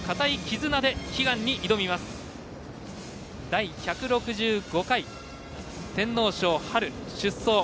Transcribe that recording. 第１６５回天皇賞出走。